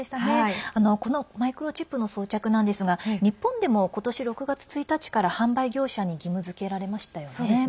このマイクロチップの装着なんですが、日本でも今年６月１日から販売業者に義務づけられましたよね。